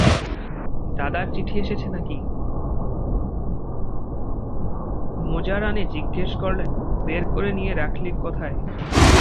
মোজারানী জিজ্ঞাসা করলেন, বের করে নিয়ে রাখলি কোথায়?